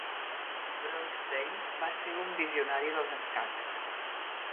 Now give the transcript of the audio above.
Bronstein va ser un visionari dels escacs.